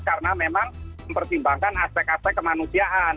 karena memang mempertimbangkan aspek aspek kemanusiaan